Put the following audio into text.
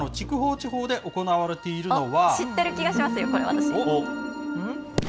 知ってる気がしますよ、これ、私。